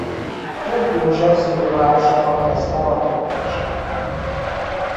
Tóth József szülővárosában kezdte a labdarúgást.